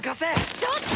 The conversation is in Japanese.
ちょっと！